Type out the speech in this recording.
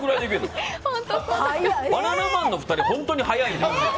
バナナマンの２人、本当に速い。